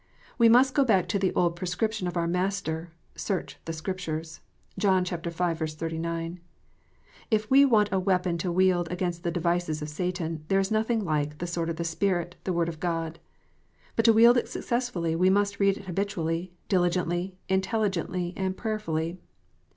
We must go back to the old prescription of our Master :" Search the Scriptures." (John v. 39.) If we want a weapon to wield against the devices of Satan, there is nothing like " the sword of the Spirit, the Word of God." But to wield it successfully, we must read it habitually, diligently, intelligently, and prayer fully.